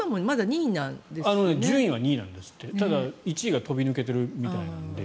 順位は２位なんですけど１位が飛び抜けているみたいなので。